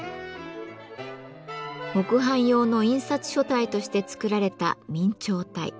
木版用の印刷書体として作られた明朝体。